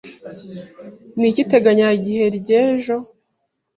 Niki iteganyagihe ry'ejo?